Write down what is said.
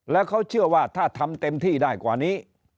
แล้วเขาเชื่อว่าถ้าทำเต็มที่ได้กว่านี้